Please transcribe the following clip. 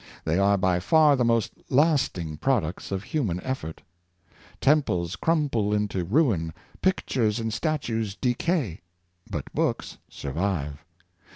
They are by far the most lasting products of human effort. Tem ples crumble into ruin, pictures and statues decay, but books survive.